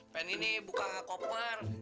pengen ini buka koper